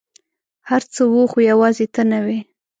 هر څه وه ، خو یوازي ته نه وې !